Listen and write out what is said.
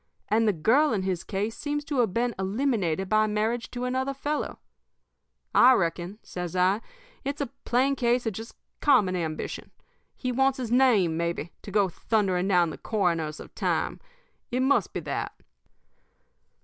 And the girl in his case seems to have been eliminated by marriage to another fellow. I reckon,' says I, 'it's a plain case of just common ambition. He wants his name, maybe, to go thundering down the coroners of time. It must be that.'